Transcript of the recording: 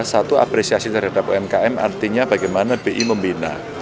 satu apresiasi terhadap umkm artinya bagaimana bi membina